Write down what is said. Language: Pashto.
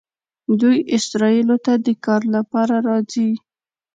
دوی اسرائیلو ته د کار لپاره راځي.